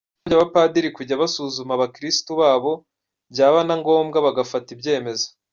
Yasabye abapadiri kujya basuzuma abakiristu babo, byaba na ngombwa bagafata ibyemezo.